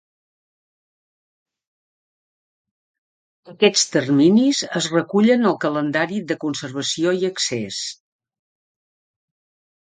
Aquests terminis es recullen al Calendari de conservació i accés.